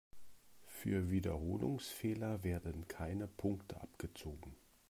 Für Wiederholungsfehler werden keine Punkte abgezogen.